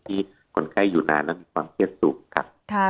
คนไข้อยู่นานและมีความเครียดสูงครับ